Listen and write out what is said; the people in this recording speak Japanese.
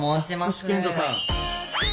星賢人さん。